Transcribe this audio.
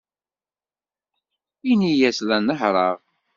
Ini-as la nehhṛeɣ.